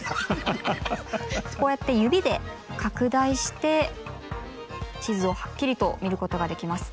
こうやって指で拡大して地図をはっきりと見ることができます。